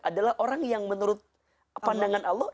adalah orang yang menurut pandangan allah